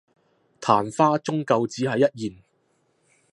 曇花終究只係一現